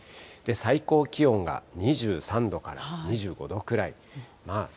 最高気温が２３度から２５度くらい。